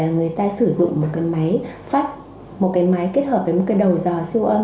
người ta sử dụng một máy phát một máy kết hợp với một đầu dò siêu âm